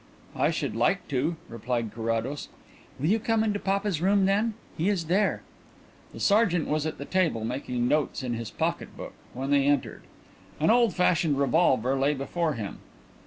"I should like to," replied Carrados. "Will you come into papa's room then? He is there." The sergeant was at the table, making notes in his pocket book, when they entered. An old fashioned revolver lay before him.